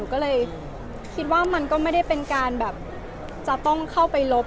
ก็เลยคิดว่ามันก็ไม่ได้เป็นการแบบจะต้องเข้าไปลบ